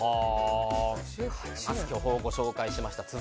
巨峰をご紹介しました。